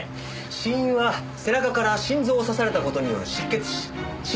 死因は背中から心臓を刺された事による失血死。